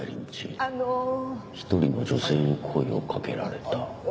あの「１人の女性に声を掛けられた」。